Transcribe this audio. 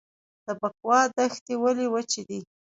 د بکوا دښتې ولې وچې دي؟